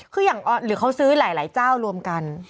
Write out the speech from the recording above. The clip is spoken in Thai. คืออย่างหรือเขาซื้อหลายเจ้ารวมกัน